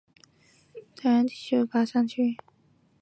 本种广泛分布在台湾平地到低海拔山区。